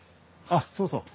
あっそうそう。